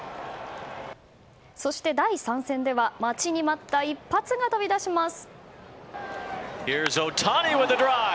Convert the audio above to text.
そして第３戦では待ちに待った一発が飛び出します。